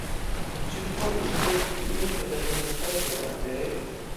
Ĉu vi povus rakonti iom pri la nuna stato de la aferoj?